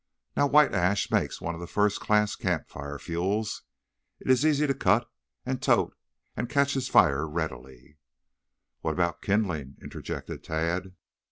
Now white ash makes one of the first class campfire fuels. It is easy to cut and tote and catches fire readily." "What about kindling?" interjected Tad.